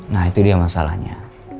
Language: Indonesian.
nah itu dia masalahnya